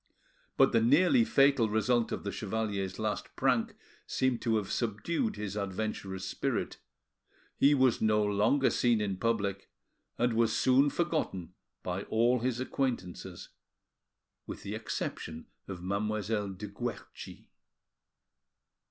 But the nearly fatal result of the chevalier's last prank seemed to have subdued his adventurous spirit; he was no longer seen in public, and was soon forgotten by all his acquaintances with the exception of Mademoiselle de Guerchi.